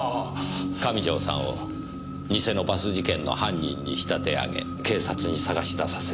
上条さんを偽のバス事件の犯人に仕立て上げ警察に捜し出させる。